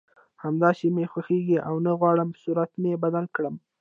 همداسې مې خوښېږي او نه غواړم صورت مې بدل کړم